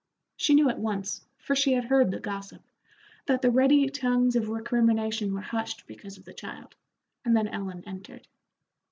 She knew at once, for she had heard the gossip, that the ready tongues of recrimination were hushed because of the child, and then Ellen entered.